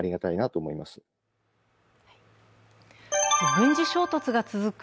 軍事衝突が続く